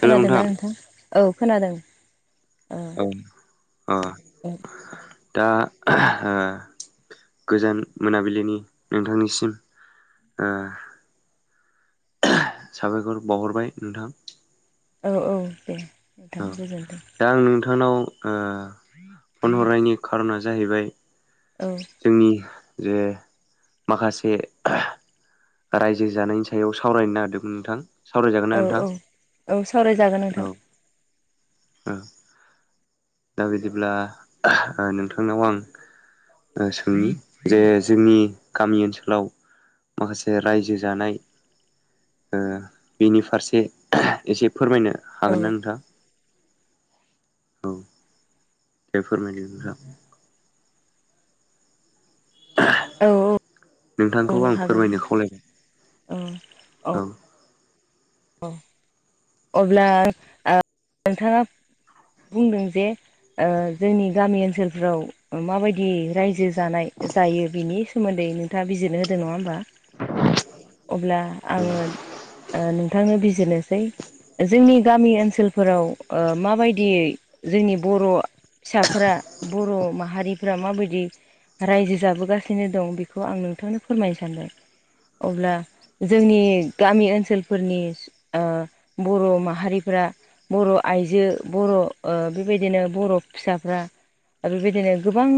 खोनादोंना नोंथां औ खोनादों। औ आ दा ओ आं गोजोन मोनाबिलिनि नोंथांनिसिम ओ आ साबायखर बावहरबाय। औ औ दे औ नोंथां गोजोन दा आं नोंथांनाव फन हरनायनि खार'ना जाहैबाय औ। जोंनि जे माखासे रायजो जानायनि सायाव सावरायनो नागिरदोंमोन नोंथां सावरायजागोन औ ना औ नोंथां? औ सावरायजागोन नोंथां [unintelligible] दा बिदिब्ला आ नोंथांनाव आं सोंनि जे जोंनि गामि ओनसोलाव माखासे रायजो जानाय बिनि फारसे एसे फोरमायनो औ हागोन ना नोंथां? औ दे फोरमायदो नोंथां। औ नोंथांखौ औ आं हागोन फोरमायनो नोंथां खावलायनाय औ औ अब्ला आं नोंथाङा बुंदों जे जोंनि गामि ओनसोलफ्राव माबायदि रायजो जानाय जायो बिनि सोमोन्दै नोंथाङा बिजिरनो होदों नङा होमबा? अब्ला आङो ओ नोंथांनो बिजिरनोसै जोंनि गामि ओनसोलफोराव ओ माबायदियै जोंनि बर' फिसाफोरा बर' माहारिफ्रा माबादि रायजो जाबोगासिनो दं बेखौ आं नोंथांनो फोरमायनो सानबाय। अब्ला जोंनि गामि ओनसोल फोरनि आ बर' माहारिफोरा बर' आइजो बर' ओ बेबायदिनो बर' फिसाफ्रा आरो बेबायदिनो गोबां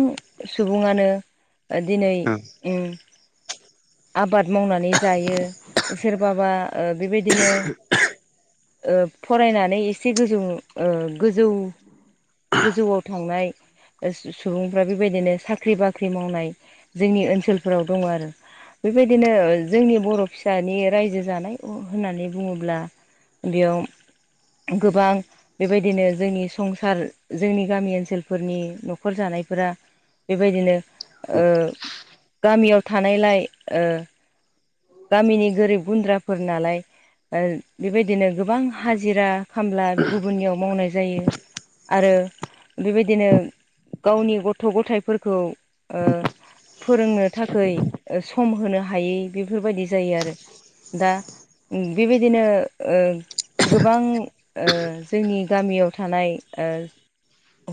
सुबुङानो दिनै औ ओ आबाद मावनानै जायो सोरबाबा ओ बेबादिनो ओ फरायनानै एसे गोजौ ओ गोजौ गोजौआव थांनाय। सुबुंफ्रा बेबायदिनो साख्रि बाख्रि मावनाय जोंनि ओनसोलफोराव दङ आरो बेबायदिनो जोंनि बर' फिसानि रायजो जानाय होननानै बुङोब्ला बेयाव गोबां बेबायदिनो जोंनि संसार जोंनि गामि ओनसोलफोरनि न'खर जानायफोरा बेबादिनो गामियाव थानायलाय गामिनि गोरिब गुनद्राफोर नालाय। ओ बेबायदिनो गोबां हाजिरा खामला गुबुननियाव मावनाय जायो। आरो बेबायदिनो गावनि गथ' गथायाइफोरखौ ओ। फोरोंनो थाखाय सम होनो हायै बेफोरबायदि जायो आरो दा। बिबायदिनो ओ गोबां ओ जोंनि गामियाव थानाय ओ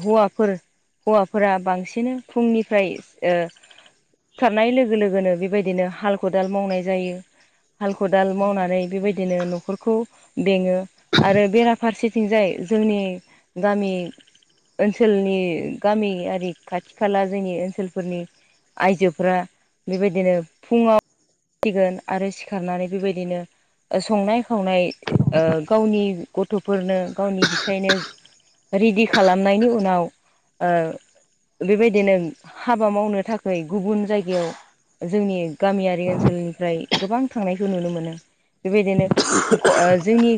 हौवाफोर हौवाफोरा बांसिन फुंनिफ्राय ओ सिखारनाय लोगो लोगोनो बेबायदिनो खदाल मावनाय जायो हाल खदाल मावनानै बेबायदिनो न'खरखौ बेङो। आरो बेराफारसेथिंजाय जोंनि गामि ओनसोलनि गामियारि खाथि खाला जोंनि ओनसोलफोरनि आइजोफोरा बेबायदिनो फुङाव। सिगोन आरो सिखारनानै बेबादिनो संनाय खावनाय गावनि गथ'फोरनो गावनि फिसायनो रेडि खालामनायनि उनाव ओ बेबायदिनो हाबा मावनो थाखाय गुबुन जायगायाव जोंनि गामियारि ओनसोलनिफ्राय गोबां थांनायखौ नुनो मोनो बेबायदिनो जोंनि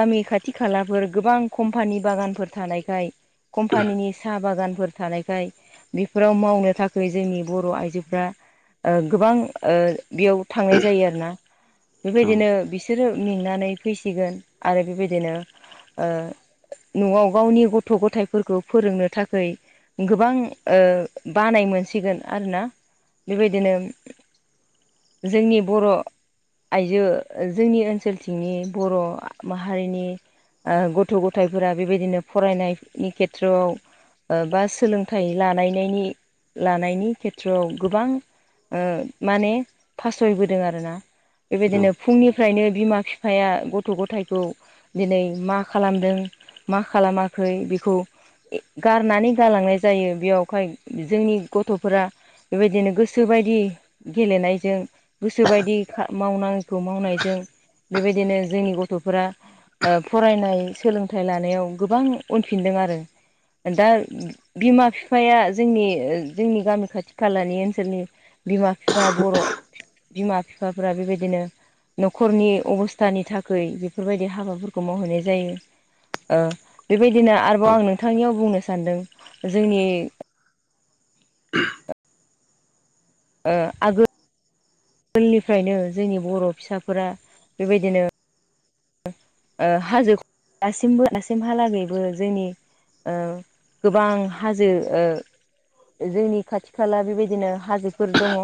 गामि खाथि खालाफोर गोबां कम्पानि बागानफोर थानायखाय कम्पानिनि साहा बागानफोर थानायखाय बेफोराव मावनो थाखाय जोंनि बर' आइजोफ्रा ओ गोबां ओ बेयाव थांनाय जायो आरोना बेबायदिनो बिस बिसोरो मेंनानै फैसिगोन आरो बेबायदिनो ओ न'आव गावनि गथ' गथायफोरखौ फोरोंनो थाखै गोबां ओ बानाय मोनसिगोन आरोना बेबायदिनो जोंनि बर' आइजो जोंनि ओनसोलथिंनि बर' माहारिनि ओ गथ' गथायाइफोरा बेबायदिनो फरायनायनि खेथ्र'आव ओ बा सोलोंथाइ लानायनायनि लानायनि खेथ्रआव गोबां ओ माने फासयबोदों आरोना बेबायदिनो फुंनि फ्रायनो बिमा बिफाया गथ' गथायखौ दिनै मा खालामदों मा खालामाखै बेखौ गारनानै गालांनाय जायो बेयावहाय जोंनि गथ'फोरा बेबायदिनो गोसो बाय दि गेलेनायजों गोसो बायदि मावनायखौ मावनायजों बेबायदिनो जोंनि गथ'फोरा फरायनाय सोलोंथाइ लानायाव गोबां उनफिनदों आरो दा बिमा फिफाया जोंनि जोंनि गामि खाथि खालानि ओनसोलनि बिमा फिफा बर' बिमा फिफाफोरा बेबायदिनो न'खरनि अबस्थानि थाखै बेफोरबायदि हाबाफोरखौ मावहैनाय जायो बेबायदिनो आरोबाव आं औ नोंथांनियाव बुंनो सानदों जोंनि आगो आगोलनिफ्रायनो जोंनि बर' फिसाफोरा बेबायदिनो हाजो [unintelligible] दासिबो दासिमहालागैबो जोंनि गोबां हाजो जोंनि खाथि खाला बेबायदिनो हाजोफोर दङ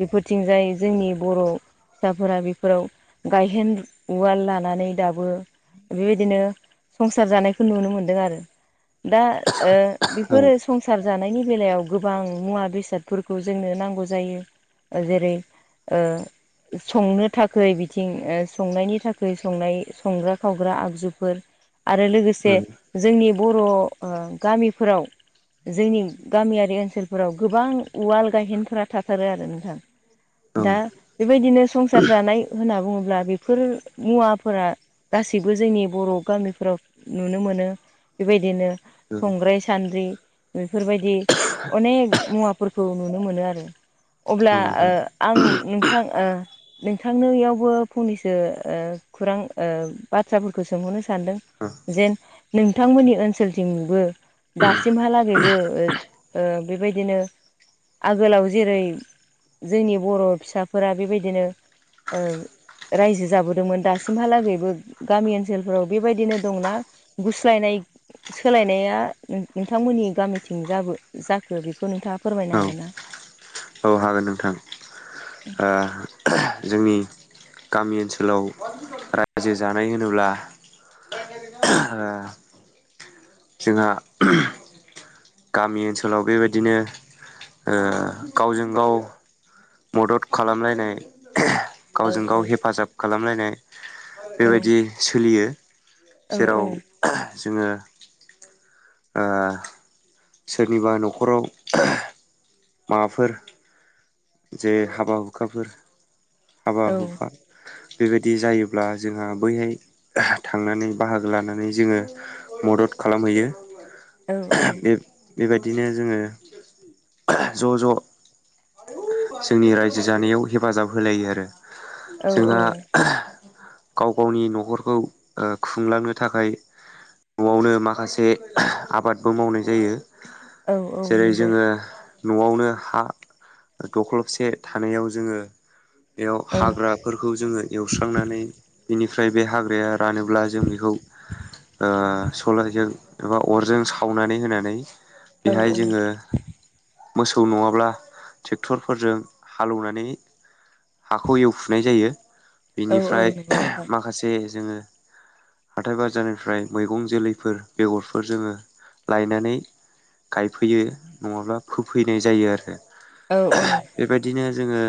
बेफोरथिंजाय जोंनि बर' फिसाफोरा बेफोराव गायहेन उवाल लान नानै दाबो बेबायदिनो संसार जानायखौ नुनो मोनदों आरो दा ओ बेफोर संसार जानायनि बेलायाव गोबां मुवा बेसादफोरखौ जोंनो नांगौ जायो जेरै ओ संनो थाखाय बिथिं संनायनि थाखाय ओख्रि संनाय संग्रा खावग्रा आगजुफोर आरो लोगोसे जोंनि बर' गामिफोराव जोंनि गामियारि ओनसोलफोराव गोबां उवाल गायहेनफोरा थाथारो आरो नोंथां औ दा बेबायदिनो संसार जानाय होनना बुङोब्ला बेफोर मुवाफोरा गासैबो जोंनि बर' गामिफोराव नुनो मोनो बेबायदिनो संग्राय सान्द्रि बेफोरबायदि अनेक मुवाफोरखौ नुनो मोनो आरो अब्ला औ नोंथां आं नोंथां नोंथांनोयावबो फंनैसो खौरां बाथ्राफोरखौ सोंहरनो सानदों जेन नोंथांमोननि ओनसोलथिंबो दासिमहालागैबो बेबायदिनो आगोलाव जेरै जोंनि बर' फिसाफोरा बेबायदिनो रायजो जाबो दोंमोन दासिमहालागैबो गामि ओनसोलफोराव बेबायदिनो दंना गुस्लायनाय सोलायनाया नोंथांमोननि गामिथिं जाबो जाखो बेखौ नोंथाङा। फोरमायनो औ हागोन ना? औ हागोन नोंथां। जोंनि गामि ओनसोलाव रायजो जानाय होनोब्ला [unintelligible] जोंहा गामि ओनसोलाव बेबायदिनो गावजों गाव मदद खालामलायनाय औ गावजों गाव हेफाजाब खालामलायनाय औ बेबायदि सोलियो औ जेराव जोङो सोरनिबा न'खराव माबाफोर जे हाबा हुखाफोर हाबा औ हुखा बेबायदि जायोब्ला जोंहा बैहाय थांनानै बाहागो लानानै जोङो। मदद खालामहैयो औ बे बेबायदिनो जोङो ज' ज'। जोंनि रायजो जानायाव हेफाजाब होलायो आरो जोंहा गाव गावनि न'खरखौ खुंलांनो थाखाय न'आवनो माखासे आबादबो मावनाय जायो औ औ जेरै नंगौ जोङो न'आवनो हा दख्लबसे थानायाव जोङो बेयाव औ हाग्रा फोरखौ जोङो एवस्रांनानै बेनिफ्राय बे हाग्राया रानोब्ला जों बेखौ सलायजों एबा अरजों सावनानै होनानै औ बेहाय जोङो मोसौ नङाब्ला ट्रेक्टरफोरजों हालौनानै हाखौ एवखुनाय जायो औ बेनिफ्राय नंगौ नोंथां माखासे जोङो हाथाय बाजारनिफ्राय मैगं जोलैफोर बेगरफोर जोङो लायनानै गायफैयो नङाब्ला फोफैनाय जायो आरो। औ औ। बेबायदिनो जोङो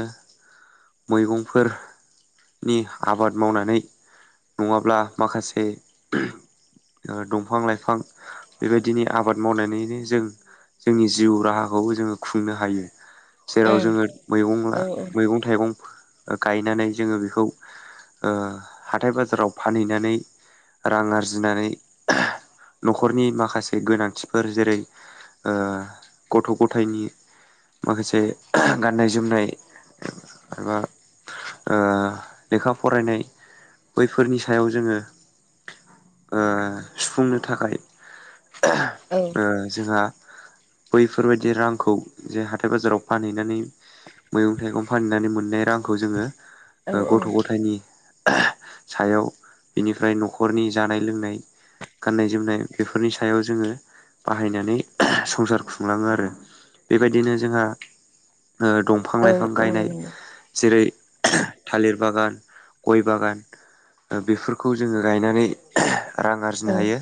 मैगंफोर नि आबाद मावनानै नङाब्ला माखासे ओ दंफां लाइफां बेबायदिनो आबाद मावनानैनो जों जोंनि जिउ राहाखौबो जोङो खुंनो हायो औ जेराव जोङो मैगं ला औ मैगं थाइगं गं गायनानै जोङो बेखौ हाथथाय बाजाराव फानहैनानै रां आरजिनानै न'खरनि माखासे गोनांथिफोर जेरै ओ गथ' गथायनि माखासे गाननाय जोमनाय खाला ओ लेखा फरायनाय बैफोरनि सायाव जोङो ओ सुफुंनो थाखाय औ। जोंहा बैफोरबायदि रांखौ जे हाथाय बाजाराव फानहैनानै मैगं थाइगं फाननानै मोननाय रांखौ जोङो गथ' गथायनि सायाव बिनिफ्राय न'खरनि जानाय लोंनाय गाननाय जोमनाय बेफोरनि सायाव जोङो बाहायनानै संसार खुंलाङो आरो। बेबायदिनो जोंहा ओ दंफां लाइ औ गायनाय जेरै थालिर बागान गय बागान बेफोरखौ जोङो गायनानै रां औ आरजिनो हायो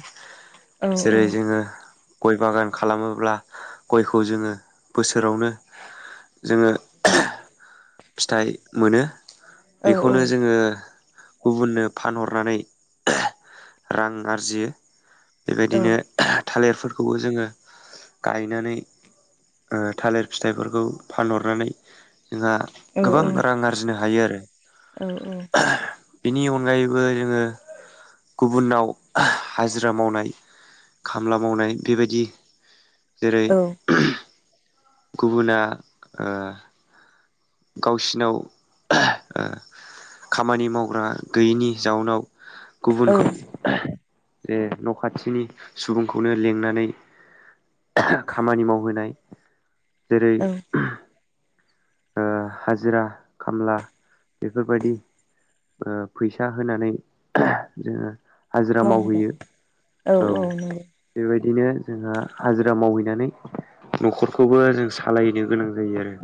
जेरै जोङो गय बागान खालामोब्ला गयखौ जोङो बोसोरावनो जोङो औ। फिथाइ मोनो बेखौनो जोङो गुबुननो फानहरनानै रां आरजियो बेबायदिनो थालिरफोरखौबो जोङो गायनानै ओ थालिर फिथाइफोरखौ फानहरनानै। जोंहा गोबां रां आरजिनो हायो आरो। औ औ। बेनि अनगायैबो जोङो। गुबुनाव हाजिरा मावनाय खामला मावनाय बेबादि जेरै औ गुबुना ओ गावसिनाव खामानि मावग्रा गैयिनि जाउनाव औ गुबुनखौ जे न' खाथिनि सुबुंखौनो लिंनानै खामानि मावहोनाय जेरै औ ओ हाजिरा खामला बेफोरबादि ओ फैसा होनानै जोङो। हाजिरा मावहोनाय मावहैयो औ। औ नंगौ बेबायदिनो जोंहा हाजिरा मावहैनानै ओ न'खरखौबो जों सालायनो गोनां जायो आरो।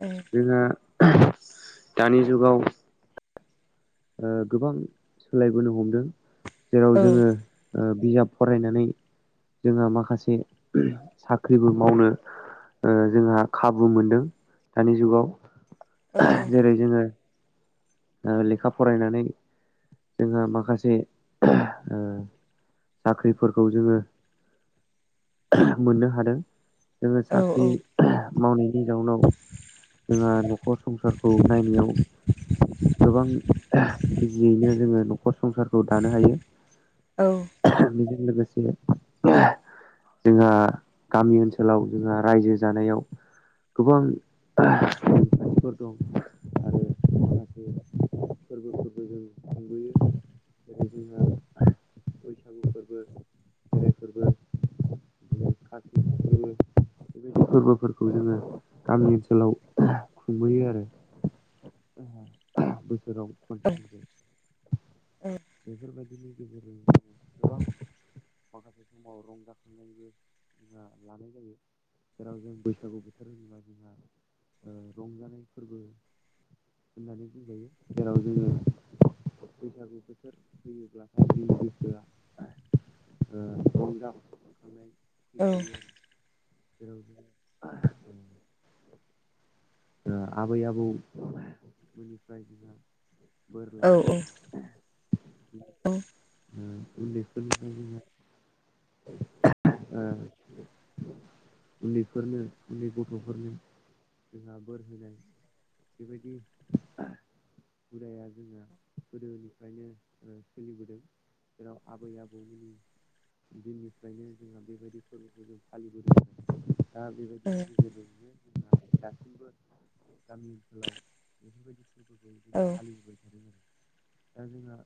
औ। जोंहा दानि जुगाव ओ गोबां सोलायबोनो हमदों जेराव औ जोङो। बिजाब फरायनानै जोहा माखासे साख्रिबो मावनो जोंहा खाबु मोनदों दानि जुगाव औ जेरै जोङो लेखा फरायनानै जोंहा माखासे ओ साख्रिफोरखौ जोङो मोननो हादों। जोङो औ साख्रि। मावनायनि जाउनाव जोंहा न'खर संसारखौ नायनायाव गोबां इजियैनो जोङो नखर नखर संसारखौ दानो हायो बेजों लोगोसे जोंहा गामि ओनसोलाव जोंहा रायजो जानायाव गोबां [unintelligible] फोरबो फोरबो जों खुंबोयो [unintelligible] फोरबो खेराइ फोरबो खाथि फोरबो बेबादि फोरबोफोरखौ जोङो गामि ओनसोलाव खुंबोयो आरो [inaudible] बोसोराव खनसे खनसे बेफोरबादिनि गेजेरजों गोबां [inaudible] माखासे समाव रंजाखांनायबो जोंहा लानाय जायो। जेराव जों बैसागु बोथोर होनोबा जोंहा रंजानाय फोरबो। होन्नानै बुंजायो जेराव जोङो। बैसागु बोथोर फैयोब्लाथाय जोंनि गोसोआ ओ रं औ‌। जेरै आबै आबौमोननिफ्राय जों बोर औ लानाय औ उम [unintelligible] औ। उन्दैफोरनो उन्दै गथ'फोरनि जोंहा बोर होनाय बेबादि हुदाया जोंहा गोदोनिफ्रायनो सोलिबोदों जेराव आबै आबौमोननि दिननिफ्रायनो जोंहा बेबायदि फोरबोखौ जों फालिबोदों दा बेबायदिनि गेजेरजोंनो दासिबो गामि ओनसोलाव बेफोरबायदि फोरबोखौ औ [unintelligible] थादों आरो दा जोंहा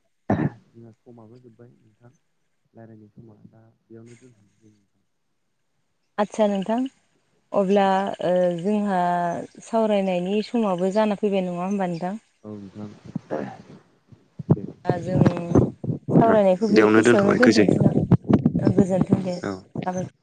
जोंहा समाबो जोब्बाय नोंथां रायलायनाय समाव दा बेयावनो दोन जों आदसा नोंथां अब्ला ओ जोंहा सावरायनायनि समावबो जाना फैबाय नङा होमबा नोंथां औ नोंथां दे दा जों नोंथां सावरायनायखौ बे बेयावनो एसेयावनो दोनथ'बाय दोनथ'सै गोजोनथों ना औ गोजोनथों दे औ साबायखर